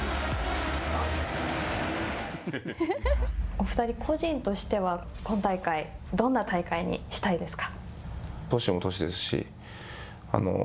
お２人個人としては、今大会、どんな大会にしたいですか。